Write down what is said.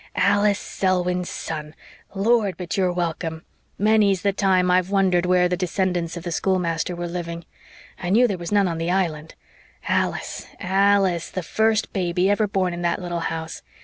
"Alice Selwyn's son! Lord, but you're welcome! Many's the time I've wondered where the descendants of the schoolmaster were living. I knew there was none on the Island. Alice Alice the first baby ever born in that little house.